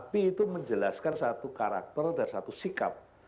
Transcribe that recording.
tapi itu menjelaskan satu karakter dan satu sikap